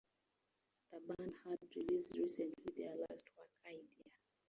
The band had released recently their last work Idea.